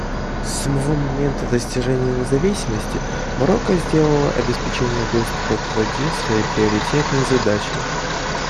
С самого момента достижения независимости Марокко сделало обеспечение доступа к воде своей приоритетной задачей.